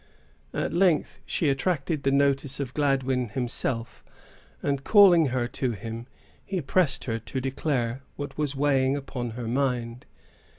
At length she attracted the notice of Gladwyn himself; and calling her to him, he pressed her to declare what was weighing upon her mind.